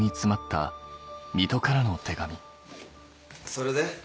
それで？